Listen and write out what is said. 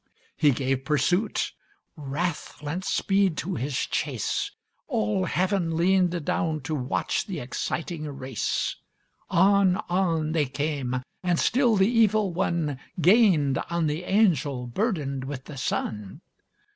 He gave pursuit. Wrath lent speed to his chase; All heaven leaned down to watch the exciting race. On, on they came, and still the Evil One Gained on the angel burdened with the sun.